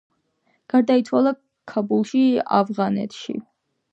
გარდაიცვალა ქაბულში, ავღანეთი.